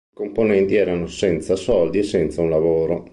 I componenti erano senza soldi e senza un lavoro.